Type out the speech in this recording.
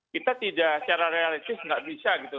kita tidak secara realistis tidak bisa gitu